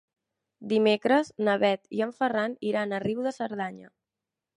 Dimecres na Bet i en Ferran iran a Riu de Cerdanya.